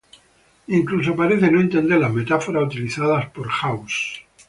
Incluso parece no entender las metáforas utilizadas por House.